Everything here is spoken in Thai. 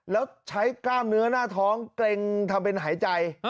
แล้วใช้กล้ามเนื้อหน้าท้องเกร็งทำเป็นหายใจ